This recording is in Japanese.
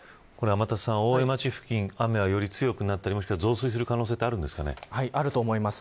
天達さん、大江町付近雨は、より強くなったり増水するあると思います。